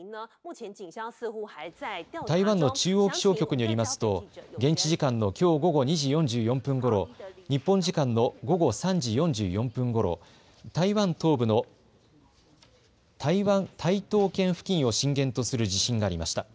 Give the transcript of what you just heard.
台湾の中央気象局によりますと現地時間のきょう午後２時４４分ごろ、日本時間の午後３時４４分ごろ、台湾東部の台東県付近を震源とする地震がありました。